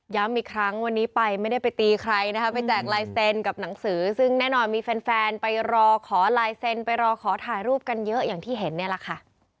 อีกครั้งวันนี้ไปไม่ได้ไปตีใครนะคะไปแจกลายเซ็นต์กับหนังสือซึ่งแน่นอนมีแฟนไปรอขอลายเซ็นต์ไปรอขอถ่ายรูปกันเยอะอย่างที่เห็นเนี่ยแหละค่ะ